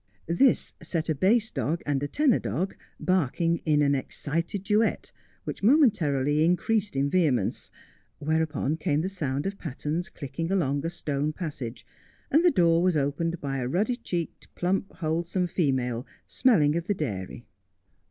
' This set a bass dog and a tenor dog barking in an excited duet, which momentarily increased in vehemence ; whereupon came the sound of pattens clicking along a stone passage, and the door was opened by a ruddy cheeked, plump, wholesome female, smelling of the dairy.